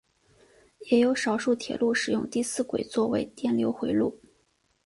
也有少数铁路使用第四轨作为电流回路。